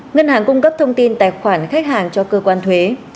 ngân hàng cung cấp thông tin tài khoản khách hàng cho cơ quan thuế